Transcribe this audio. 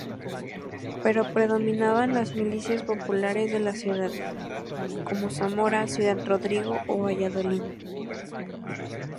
Pero predominaban las milicias populares de las ciudades, como Zamora, Ciudad Rodrigo o Valladolid.